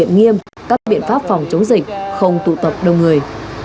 nghiêm các biện pháp phòng chống dịch không tụ tập đông người